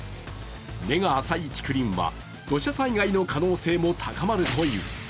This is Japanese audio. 根が浅い竹林は土砂災害の可能性も高まるという。